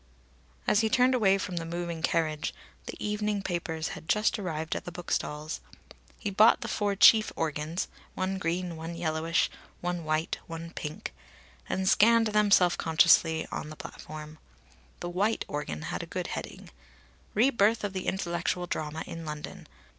As he turned away from the moving carriage, the evening papers had just arrived at the bookstalls. He bought the four chief organs one green, one yellowish, one white, one pink and scanned them self consciously on the platform. The white organ had a good heading: "Re birth of the intellectual drama in London.